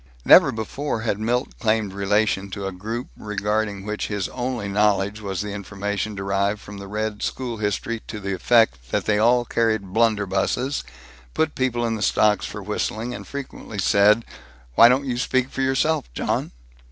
Never before had Milt claimed relation to a group regarding which his only knowledge was the information derived from the red school history to the effect that they all carried blunderbusses, put people in the stocks for whistling, and frequently said, "Why don't you speak for yourself, John?"